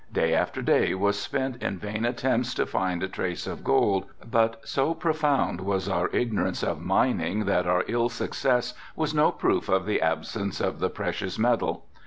Day after day was spent in vain attempts to find a trace of gold, but so profound was our ignorance of mining that our ill success was no proof of the absence of the precious metal.